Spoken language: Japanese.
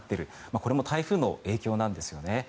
これも台風の影響なんですね。